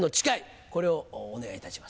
これをお願いいたします。